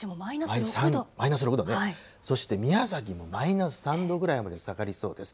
マイナス６度ね、そして宮崎もマイナス３度ぐらいまで下がりそうです。